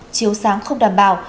chiếu sáng không đảm bảo